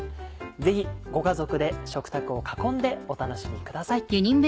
ぜひご家族で食卓を囲んでお楽しみください。